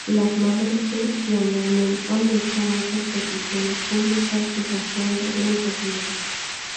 Las Madres de Tiananmen han hecho muchas peticiones públicas, desafiando el gobierno.